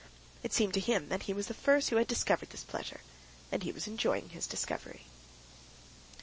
It seemed to him that he was the first who had discovered this pleasure, and he was enjoying his discovery.